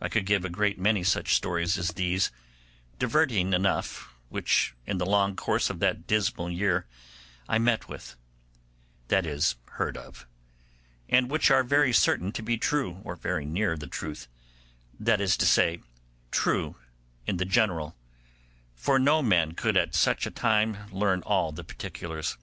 I could give a great many such stories as these, diverting enough, which in the long course of that dismal year I met with—that is, heard of—and which are very certain to be true, or very near the truth; that is to say, true in the general: for no man could at such a time learn all the particulars.